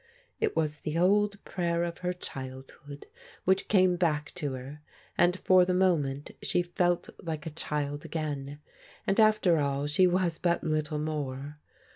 It was the old prayer of her childhood which came back to her, and for the moment she felt like a child again. And after all, she was but little more.